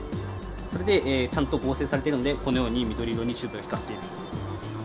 それでちゃんと合成されてるんでこのように緑色にチューブが光っている。